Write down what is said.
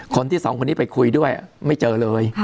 คนที่สองคนนี้ไปคุยด้วยไม่เจอเลย